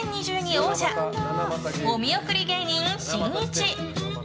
王者お見送り芸人しんいち。